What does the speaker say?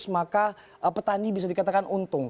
maka petani bisa dikatakan untung